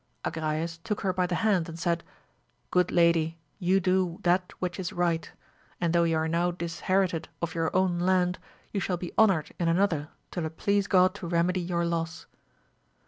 Agrayes took her*by the hand and said, Grood lady, you do that which is right ; and though you are now disherited of your own land, you shall be honoured in another till it please God to remedy your loss.